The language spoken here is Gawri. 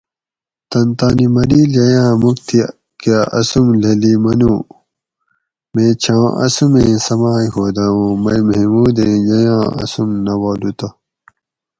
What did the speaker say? "تن تانی مریل ییاۤں مُوک تھی کہ آسوم لھلی منو ""میں چھاۤں اسومیں سماۤئے ھودہ اوں مئی محمودیں ییاۤں آسوم نہ والو تہ"